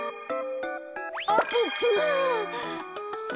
あっぷっぷ！